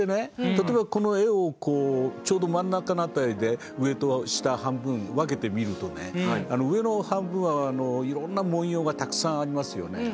例えばこの絵をこうちょうど真ん中の辺りで上と下半分分けて見るとねあの上の半分はいろんな文様がたくさんありますよね。